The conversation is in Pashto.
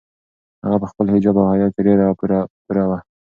هغه په خپل حجاب او حیا کې ډېره پوره وه.